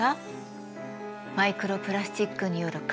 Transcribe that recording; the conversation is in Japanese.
マイクロプラスチックによる海洋汚染。